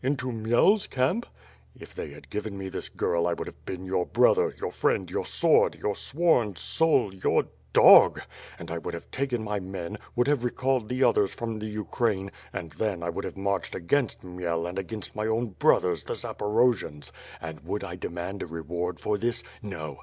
Into Khmyel's camp?" "If they had given me this girl, I would have been your brother, your friend, your sword, your sworn soul; your dog; and I would have taken my men, would have recalled the others from the Ukraine, and then I would have marched against Khmyel and against my own brothers, the Zaporo jians. And would I demand a reward for this? — No!